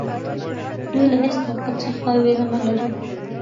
دوی له هیڅ طاقت څخه وېره نه لري.